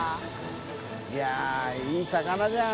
い筺いい魚じゃん。